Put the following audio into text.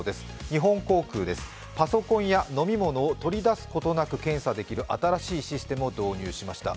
日本航空はパソコンや飲み物を取り出すことなく検査できる新しいシステムを導入しました。